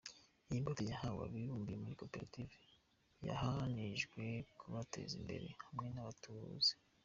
Iyi mbuto yahawe abibumbiye muri koperative haganijwe kubateza imbere, hamwe n’abatubuzi.